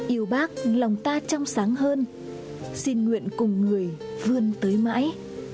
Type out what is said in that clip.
yêu bác lòng ta trong sáng hơn xin nguyện cùng người vươn tới mãi